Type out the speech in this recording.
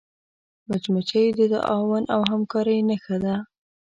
مچمچۍ د تعاون او همکاری نښه ده